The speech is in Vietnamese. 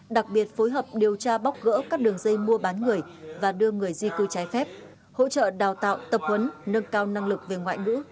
đặc biệt phối hợp điều tra bóc gỡ các đường dây mua bán người và đưa người di cư trái phép hỗ trợ đào tạo tập huấn nâng cao năng lực về ngoại ngữ